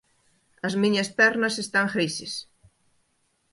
As miñas pernas están grises.